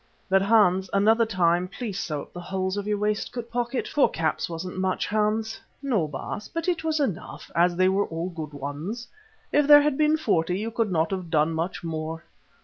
But, Hans, another time please sew up the holes in your waistcoat pocket. Four caps wasn't much, Hans." "No, Baas, but it was enough; as they were all good ones. If there had been forty you could not have done much more.